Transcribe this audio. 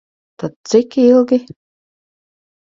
Tad cik ilgi?